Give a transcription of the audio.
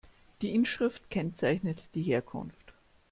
Die Inschrift kennzeichnet die Herkunft.